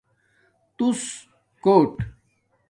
تُݸلس کوٹ